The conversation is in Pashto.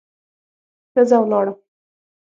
ښځه ولاړه.